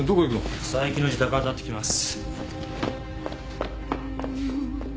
佐伯の自宅当たってきます。